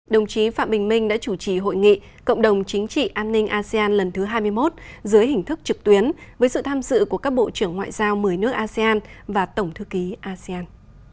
đồng chí phạm bình minh đã chủ trì hội nghị cộng đồng chính trị an ninh asean lần thứ hai mươi một dưới hình thức trực tuyến với sự tham dự của các bộ trưởng ngoại giao một mươi nước asean và tổng thư ký asean